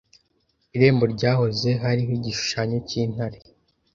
Irembo ryahoze hariho igishusho cy'intare.